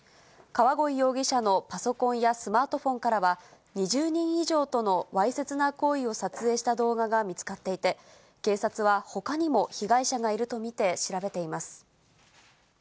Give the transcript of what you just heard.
川鯉容疑者のパソコンやスマートフォンからは、２０人以上とのわいせつな行為を撮影した動画が見つかっていて、警察はほかにも被害者がいると見て調べています。